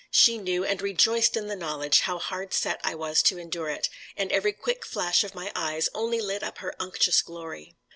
She knew, and rejoiced in the knowledge, how hard set I was to endure it, and every quick flash of my eyes only lit up her unctuous glory.